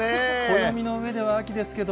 暦のうえでは秋ですけど。